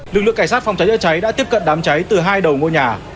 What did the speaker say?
lực lượng cảnh sát phòng cháy chữa cháy đã tiếp cận đám cháy từ hai đầu ngôi nhà